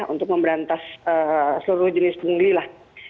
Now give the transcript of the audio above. untuk memberantas seluruh jenis pungli lah